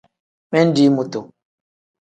Mindi mutu.